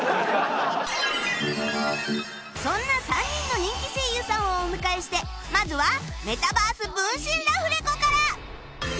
そんな３人の人気声優さんをお迎えしてまずはメタバース分身ラフレコから